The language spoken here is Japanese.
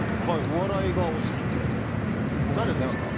お笑いがお好きってことですが誰ですか？